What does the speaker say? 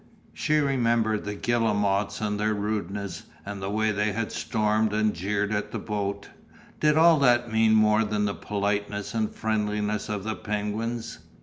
She remembered the guillemots and their rudeness and the way they had stormed and jeered at the boat did all that mean more than the politeness and friendliness of the penguins?